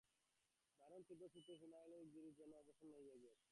দারুণ তীব্র শীতে হিমালয়গিরিও যেন অবসন্ন হইয়া গিয়াছে।